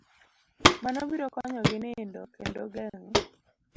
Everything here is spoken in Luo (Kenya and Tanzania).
Mano biro konyogi nindo kendo geng'o